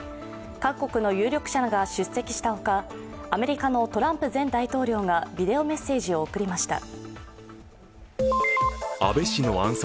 各国の有力者らが出席したほかアメリカのトランプ前大統領がビデオメッセージを送りました。